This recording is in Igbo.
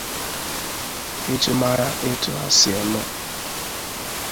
iji mara etu ha si eme